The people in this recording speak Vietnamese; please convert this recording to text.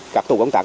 các tủ bóng tạc